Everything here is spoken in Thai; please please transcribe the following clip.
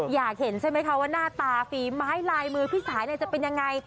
อยากเห็นใช่ไหมคะว่าหน้าตาฝีไม้ลายมือพี่สายจะเป็นยังไง